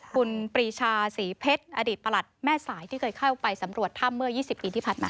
คุณปรีชาศรีเพชรอดีตประหลัดแม่สายที่เคยเข้าไปสำรวจถ้ำเมื่อ๒๐ปีที่ผ่านมา